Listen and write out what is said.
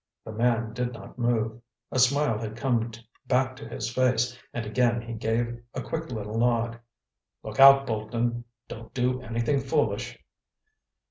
The man did not move. A smile had come back to his face, and again he gave a quick little nod. "Look out, Bolton! Don't do anything foolish!"